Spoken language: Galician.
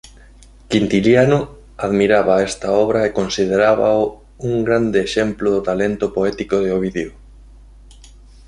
Quintiliano admiraba esta obra e considerábao un grande exemplo do talento poético de Ovidio.